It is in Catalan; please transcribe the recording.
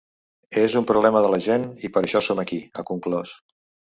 És un problema de la gent i per això som aquí, ha conclòs.